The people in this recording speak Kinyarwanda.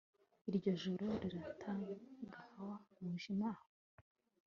iryo joro riragatahwa n'umwijima